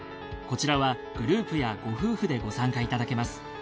こちらはグループやご夫婦でご参加いただけます。